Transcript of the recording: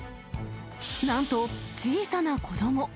なんと、小さな子ども。